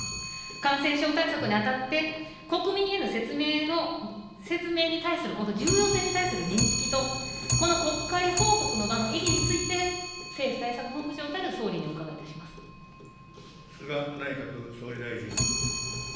感染症対策にあたって国民への説明の、説明に対するこの重要性に対する認識と、この国会報告の場の意義について、政府対策本部長たる総理にお伺いいたします。